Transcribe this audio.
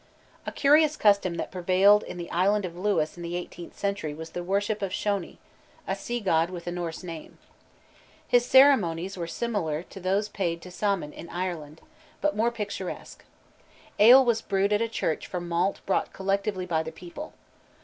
A curious custom that prevailed in the island of Lewis in the eighteenth century was the worship of Shony, a sea god with a Norse name. His ceremonies were similar to those paid to Saman in Ireland, but more picturesque. Ale was brewed at church from malt brought collectively by the people.